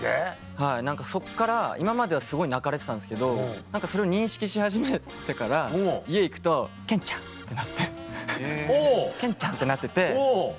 はいそっから今まではすごい泣かれてたんですけどそれを認識し始めてから家へ行くと「賢ちゃん」ってなって「賢ちゃん」ってなってて。